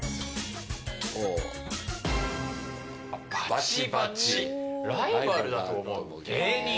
バチバチライバルだと思う芸人。